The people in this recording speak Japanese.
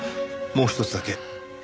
もうひとつだけ。